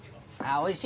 おいしい。